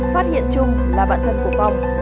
phát hiện trung là bạn thân của phong